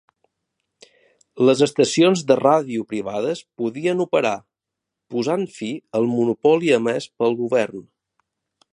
Les estacions de ràdio privades podien operar, posant fi al monopoli emès pel govern.